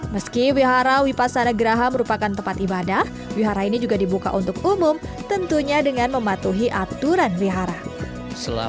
meski wihara wipasanagraha merupakan tempat ibadah wihara ini juga dibuka untuk umum tentunya dengan mematuhi aturan wihara